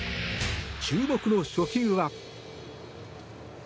注目の初球は。